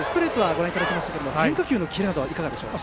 ご覧いただきましたが変化球のキレなどはいかがでしょうか。